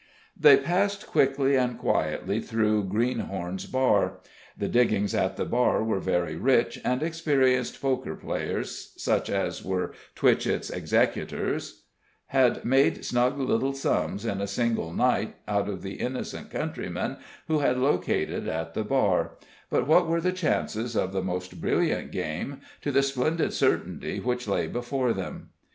They passed quickly and quietly through Greenhorn's Bar. The diggings at the Bar were very rich, and experienced poker players, such as were Twitchett's executors, had made snug little sums in a single night out of the innocent countrymen who had located at the Bar; but what were the chances of the most brilliant game to the splendid certainty which lay before them?